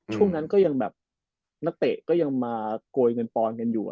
ช่วงนั้นก็ยังแบบนักเตะก็ยังมาโกยเงินปอนดกันอยู่